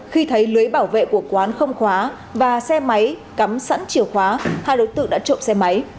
khi thấy lưới bảo vệ của quán không khóa và xe máy cắm sẵn chìa khóa hai đối tượng đã trộm xe máy